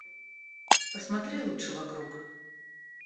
Посмотри лучше вокруг.